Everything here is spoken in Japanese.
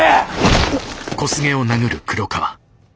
うっ。